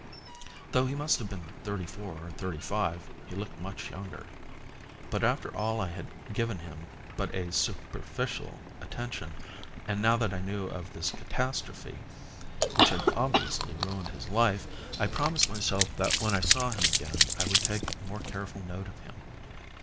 Though he must have been thirty four or thirty five he looked much younger. But after all I had given him but a superficial attention, and now that I knew of this catastrophe, which had obviously ruined his life, I promised myself that when I saw him again I would take more careful note of him.